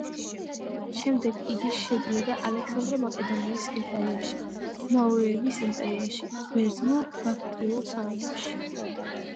შემდეგ იგი შედიოდა ალექსანდრე მაკედონელის იმპერიაში, მაურიების იმპერიაში, ბერძნულ-ბაქტრიულ სამეფოში.